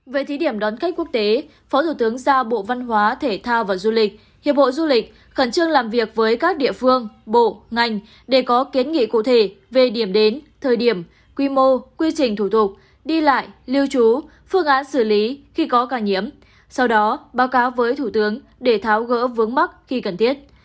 về thí điểm đón khách quốc tế phó thủ tướng ra bộ văn hóa thể thao và du lịch hiệp hội du lịch khẩn trương làm việc với các địa phương bộ ngành để có kiến nghị cụ thể về điểm đến thời điểm quy mô quy trình thủ tục đi lại lưu trú phương án xử lý khi có ca nhiễm sau đó báo cáo với thủ tướng để tháo gỡ vướng mắt khi cần thiết